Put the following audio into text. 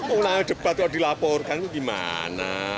uang debat kalau dilaporkan gimana